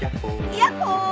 やっほー！